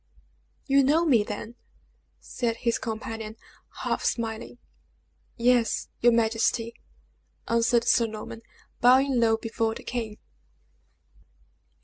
"You know me, then?" said his companion, half smiling. "Yes, your majesty," answered Sir Norman, bowing low before the king.